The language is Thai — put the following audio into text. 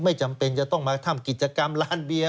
จำเป็นจะต้องมาทำกิจกรรมร้านเบียร์